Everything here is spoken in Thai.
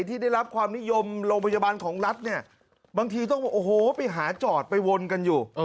ที่ได้รับความนิยมโรงพยาบาลของรัฐเนี่ยบางทีต้องโอ้โหไปหาจอดไปวนกันอยู่